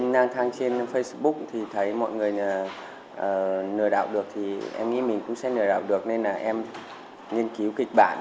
năm tháng trên facebook thì thấy mọi người nừa đảo được thì em nghĩ mình cũng sẽ nừa đảo được nên là em nghiên cứu kịch bản